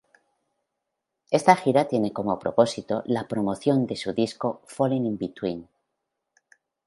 Está gira tiene como propósito la promoción de su disco Falling In Between.